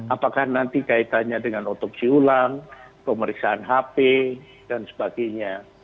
apakah nanti kaitannya dengan otopsi ulang pemeriksaan hp dan sebagainya